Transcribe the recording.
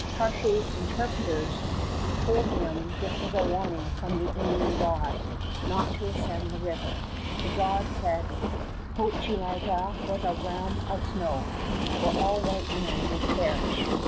Cartier's interpreters told him this was warning from the Indian god not to ascend the river. The god said Hochelaga was a realm of snow, where all white men would perish.